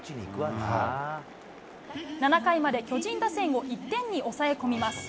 ７回まで巨人打線を１点に抑え込みます。